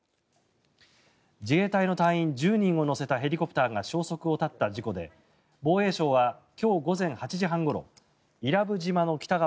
自衛隊の隊員１０人を乗せたヘリコプターが消息を絶った事故で防衛省は今日午前８時半ごろ伊良部島の北側